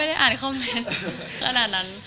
ได้อ่านคอมเมนต์ขนาดนั้น